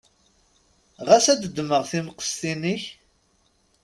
Ɣas ad ddmeɣ timqestin-inek?